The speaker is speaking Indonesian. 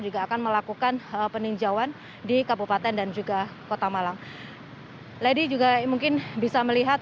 juga akan melakukan peninjauan di kabupaten dan juga kota malang lady juga mungkin bisa melihat